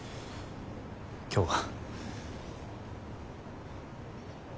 今日は？